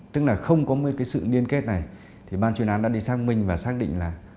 tức là không có một cái sự liên kết này thì ban chuyên án đã đi xác minh và xác định là